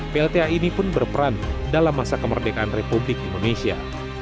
plta ini pun berperan dalam masa kemerdekaan republik indonesia